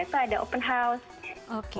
di indonesia itu ada open house